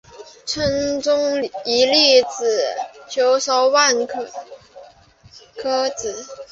春种一粒粟，秋收万颗子。